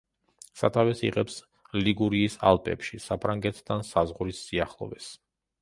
სათავეს იღებს ლიგურიის ალპებში, საფრანგეთთან საზღვრის სიახლოვეს.